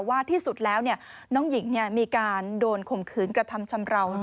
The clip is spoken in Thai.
ว่าที่สุดแล้วเนี่ยน้องหญิงเนี่ยมีการโดนข่มขืนกระทำชำเลา